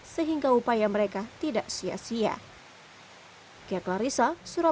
sehingga upaya mereka tidak sia sia